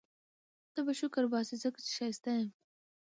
ته به شکرباسې ځکه چي ښایسته یم